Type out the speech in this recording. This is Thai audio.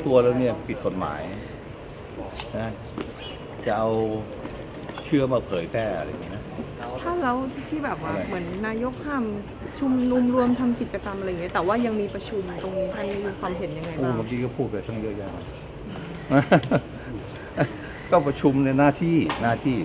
แต่ว่ายังมีประชุมคั่นที่มีความเห็นยังไงพูดแต่ลิ้งในน้าที่